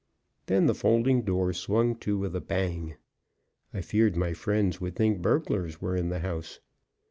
Then the folding door swung to with a bang. I feared my friends would think burglars were in the house.